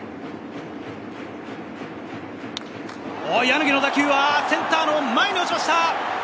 柳の打球はセンターの前に落ちました。